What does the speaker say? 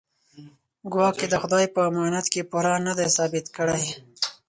ګواکې د خدای په امانت کې پوره نه دی ثابت کړی.